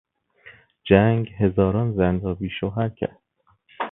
جنگ هزاران زن را بیشوهر کرد.